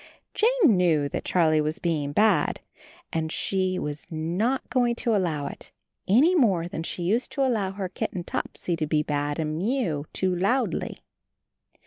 Jane knew that Charlie was being bad, and she was not going to allow it, any more than she used to allow her kitten Topsy to be bad and mew too loudly.